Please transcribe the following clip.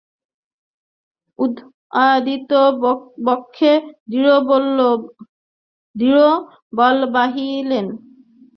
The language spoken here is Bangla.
উদয়াদিত্য বক্ষে দৃঢ় বল বাঁধিলেন।